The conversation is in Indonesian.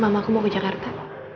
mama aku mau ke jakarta